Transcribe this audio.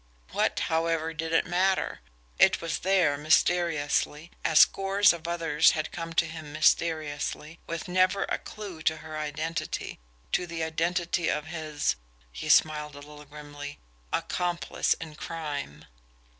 What, however, did it matter? It was there mysteriously, as scores of others had come to him mysteriously, with never a clew to her identity, to the identity of his he smiled a little grimly accomplice in crime.